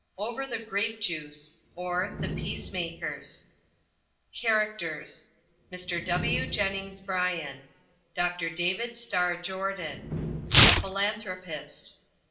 XIV. Over the Grape Juice; or, The Peacemakers Characters MR. W. JENNINGS BRYAN. DR. DAVID STARR JORDAN. A PHILANTHROPIST.